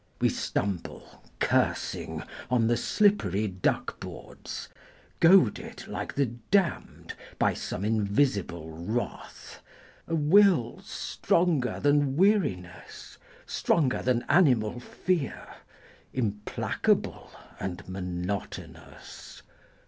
We stumble, cursing, on the slippery duck boards. Goaded like the damned by some invisible wrath, A will stronger than weariness, stronger than animal fear, Implacable and monotonous.